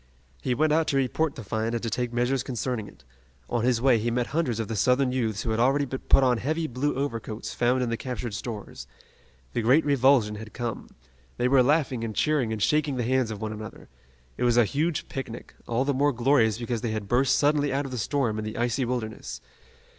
He went out to report the find and to take measures concerning it. On his way he met hundreds of the Southern youths who had already put on heavy blue overcoats found in the captured stores. The great revulsion had come. They were laughing and cheering and shaking the hands of one another. It was a huge picnic, all the more glorious because they had burst suddenly out of the storm and the icy wilderness.